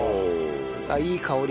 あっいい香り。